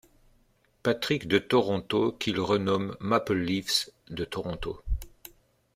Patricks de Toronto qu'il renomme Maple Leafs de Toronto.